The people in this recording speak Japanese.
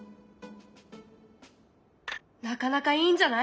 なかなかいいんじゃない？